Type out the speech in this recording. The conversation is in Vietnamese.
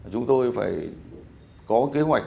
chúng tôi phải có kế hoạch